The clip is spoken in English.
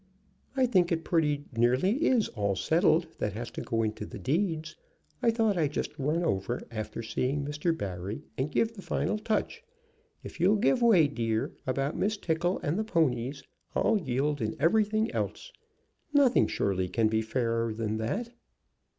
"I think it pretty nearly is all settled that has to go into the deeds. I thought I'd just run over, after seeing Mr. Barry, and give the final touch. If you'll give way, dear, about Miss Tickle and the ponies, I'll yield in everything else. Nothing, surely, can be fairer than that."